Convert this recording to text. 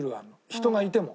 人がいても。